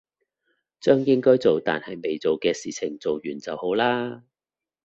將應該做但係未做嘅事情做完就好啦